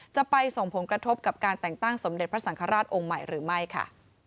จะไปส่งผลกระทบกับการแต่งตั้งสมเด็จพระสังฆราชองค์ใหม่หรือไม่ค่ะ